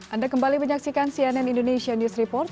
anda kembali menyaksikan cnn indonesia news report